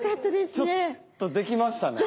ちょっとできましたね！